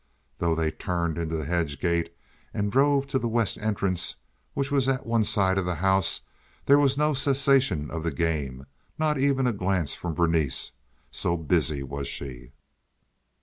Though they turned into the hedge gate and drove to the west entrance, which was at one side of the house, there was no cessation of the game, not even a glance from Berenice, so busy was she.